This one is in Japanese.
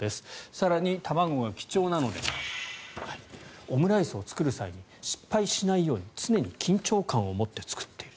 更に卵が貴重なのでオムライスを作る際に失敗しないように常に緊張感を持って作っている。